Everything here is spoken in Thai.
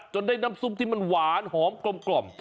ได้น้ำซุปที่มันหวานหอมกลม